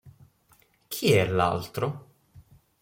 Chi è l'altro?